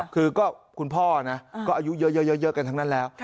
คือก็คุณพ่อนะก็อายุเยอะกันทั้งนั้นแล้ว